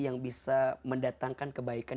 yang bisa mendatangkan kebaikan